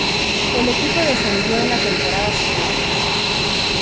El equipo descendió en la temporada siguiente.